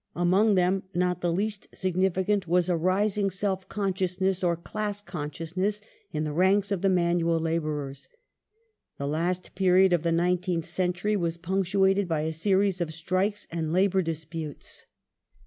Among them not the least significant was a rising self consciousness, or class consciousness, in the ranks of the manual labourers. The last period of the nineteenth century was punctuated by a series of strikes and labour disputes.